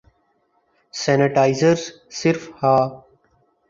sanitizer صرف ہا